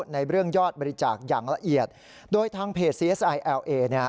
ในเรื่องยอดบริจาคอย่างละเอียดโดยทางเพจซีเอสไอแอลเอเนี่ย